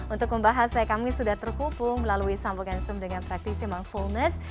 untuk membahasnya kami sudah terhubung melalui sampo gansum dengan praktisi mindfulness